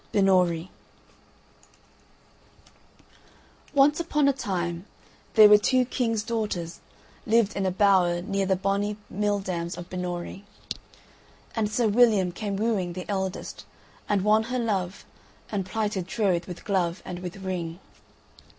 BINNORIE Once upon a time there were two king's daughters lived in a bower near the bonny mill dams of Binnorie. And Sir William came wooing the eldest and won her love and plighted troth with glove and with ring.